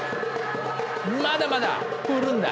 まだまだ振るんだ。